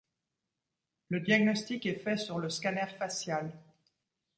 Le diagnostic est fait sur le scanner facial.